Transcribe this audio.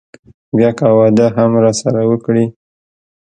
بيا که واده هم راسره وکړي.